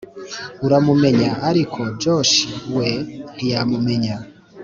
aramumenya arko josh we ntiyamumenya